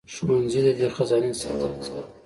ښوونځي د دې خزانې د ساتنې ځای وو.